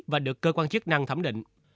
và được cơ quan chức năng thẩm định